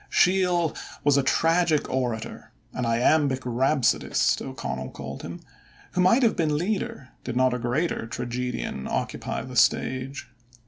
Sheil was a tragic orator "an iambic rhapsodist", O'Connell called him who might have been leader, did not a greater tragedian occupy the stage.